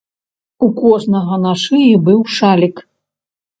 У кожнага на шыі быў шалік.